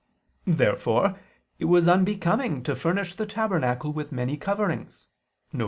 Therefore it was unbecoming to furnish the tabernacle with many coverings, viz.